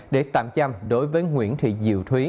để tạm chăm đối với nguyễn thị diệu thúy